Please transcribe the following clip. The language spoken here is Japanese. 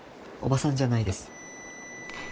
おばさんじゃないです。